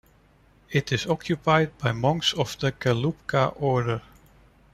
It is occupied by monks of the Gelukpa order.